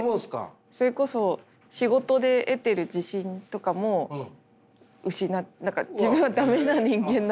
それこそ仕事で得てる自信とかも失う自分は駄目な人間だって。